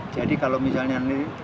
jadi kalau misalnya